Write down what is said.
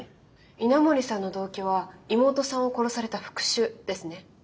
稲森さんの動機は妹さんを殺された復讐ですね。